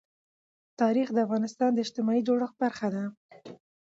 تاریخ د افغانستان د اجتماعي جوړښت برخه ده.